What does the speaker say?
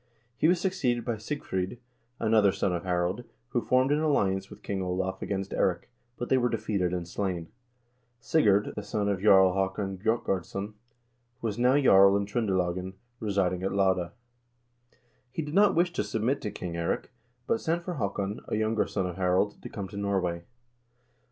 He was succeeded by Sigfr0d, another son of Harald, who formed an alliance with King Olav against Eirik, but they were defeated and slain. Sigurd, the son of Jarl Haakon Grjotgardsson, was now jarl in Tr0ndelagen, residing at Lade. He did not wish to submit to King Eirik, but sent for Haakon, a younger son of Harald, to come to Norway.